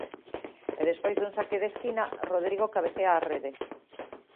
E despois dun saque de esquina, Rodrigo cabecea á rede.